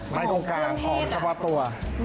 ไม้กงการของชาวตัว